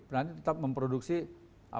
petani tetap memproduksi apa namanya kebutuhan